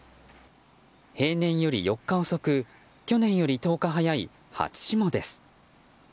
平年より４日遅く去年より１０日早い初霜です。